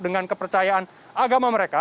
dengan kepercayaan agama mereka